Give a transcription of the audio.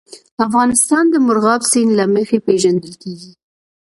افغانستان د مورغاب سیند له مخې پېژندل کېږي.